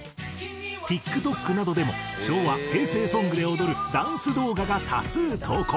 ＴｉｋＴｏｋなどでも昭和・平成ソングで踊るダンス動画が多数投稿。